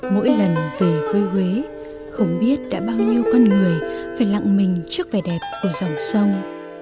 mỗi lần về với huế không biết đã bao nhiêu con người phải lặng mình trước vẻ đẹp của dòng sông